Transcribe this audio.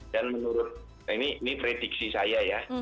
dan menurut ini prediksi saya ya